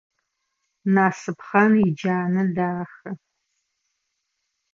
Насыпхъан иджанэ дахэ.